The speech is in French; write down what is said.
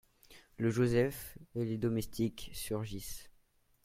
Le Joseph et les domestiques surgissent.